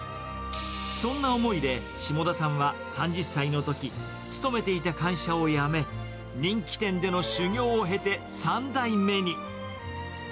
そんな思いで、下田さんは３０歳のとき、勤めていた会社を辞め、人気店での修業を経て、３代目に。